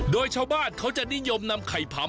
โดยชาวบ้านเขาจะนิยมนำไข่ผำ